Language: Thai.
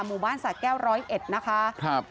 หมู่บ้านสะแก้ว๑๐๑นะคะ